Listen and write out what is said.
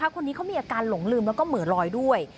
คนนี้เขามีอาการหลงลืมแล้วก็เหมือนลอยด้วย